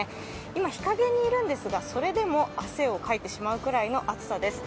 今日陰にいるんですが、それでも汗をかいてしまうくらいの暑さです。